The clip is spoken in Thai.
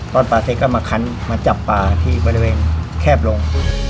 ปลาเสร็จก็มาคันมาจับปลาที่บริเวณแคบลง